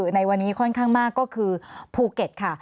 ในวันนี้ค่อนข้างมากก็คือภูเก็ตค่ะ